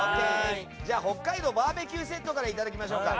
じゃあ北海道バーベキューセットからいただきましょうか。